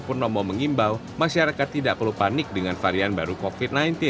purnomo mengimbau masyarakat tidak perlu panik dengan varian baru covid sembilan belas